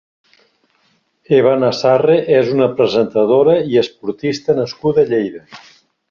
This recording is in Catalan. Eva Nasarre és una presentadora i esportista nascuda a Lleida.